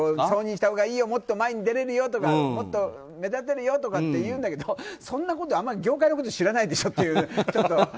そうしたほうがいいよもっと前に出れるよとかもっと目立てるよとかって言うんだけどそんなこと、あまり業界のこと知らないでしょっていう。